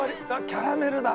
キャラメルだ！